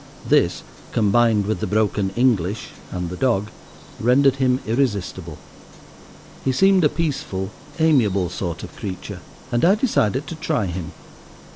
This, combined with the broken English and the dog, rendered him irresistible. He seemed a peaceful, amiable sort of creature, and I decided to try him.